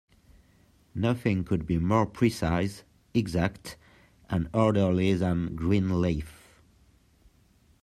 Nothing could be more precise, exact, and orderly than Greenleaf.